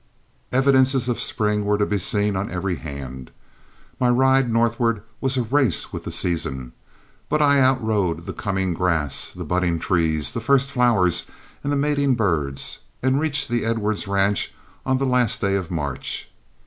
Evidences of spring were to be seen on every hand. My ride northward was a race with the season, but I outrode the coming grass, the budding trees, the first flowers, and the mating birds, and reached the Edwards ranch on the last day of March.